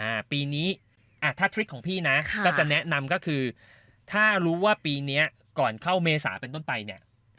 อ่าปีนี้อ่าถ้าทริคของพี่นะค่ะก็จะแนะนำก็คือถ้ารู้ว่าปีเนี้ยก่อนเข้าเมษาเป็นต้นไปเนี่ย